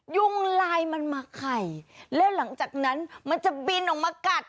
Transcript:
ยุงลายมันมาไข่แล้วหลังจากนั้นมันจะบินออกมากัด